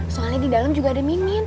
soalnya di dalam juga ada minim